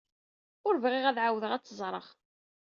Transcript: Ur bɣiɣ ad ɛawdeɣ ad tt-ẓreɣ.